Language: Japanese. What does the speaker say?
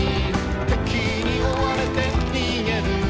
「敵におわれてにげる」